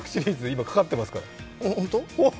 今、かかってますから。